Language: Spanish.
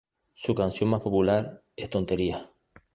Su canción más popular es "Tonterías".